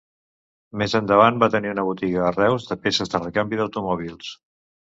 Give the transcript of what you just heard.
Més endavant va tenir una botiga a Reus de peces de recanvi d'automòbils.